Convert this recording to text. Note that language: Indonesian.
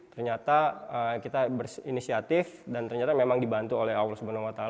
ternyata kita berinisiatif dan ternyata memang dibantu oleh allah swt